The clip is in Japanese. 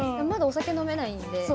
まだお酒飲めないんで。